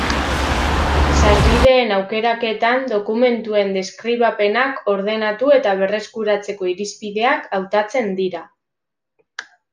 Sarbideen aukeraketan dokumentuen deskribapenak ordenatu eta berreskuratzeko irizpideak hautatzen dira.